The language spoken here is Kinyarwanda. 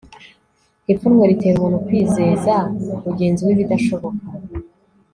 ipfunwe ritera umuntu kwizeza mugenzi we ibidashoboka